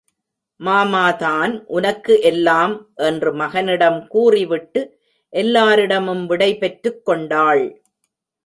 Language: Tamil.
மாமாதான் உனக்கு எல்லாம், என்று மகனிடம் கூறி விட்டு எல்லாரிடமும் விடை பெற்றுக் கொண்டாள்.